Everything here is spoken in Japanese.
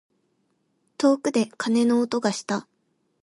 遠くで鐘の音がした。